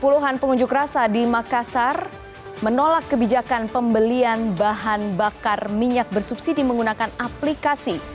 puluhan pengunjuk rasa di makassar menolak kebijakan pembelian bahan bakar minyak bersubsidi menggunakan aplikasi